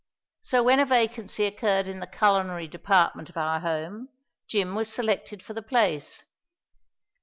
So when a vacancy occurred in the culinary department of our home Jim was selected for the place.